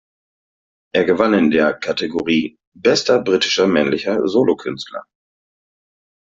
Er gewann in der Kategorie "Bester britischer männlicher Solokünstler".